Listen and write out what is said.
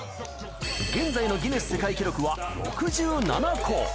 現在のギネス世界記録は６７個。